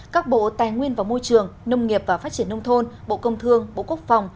các bộ tài nguyên và môi trường nông nghiệp và phát triển nông thôn bộ công thương bộ quốc phòng